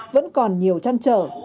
vẫn còn nhiều trăn trở